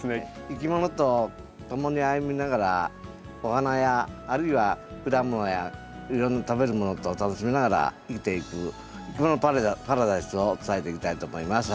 いきものと共に歩みながらお花やあるいは果物やいろんな食べる物とを楽しみながら生きていくいきものパラダイスを伝えていきたいと思います。